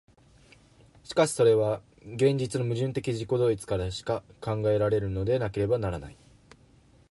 しかしそれは現実の矛盾的自己同一からしか考えられるのでなければならない。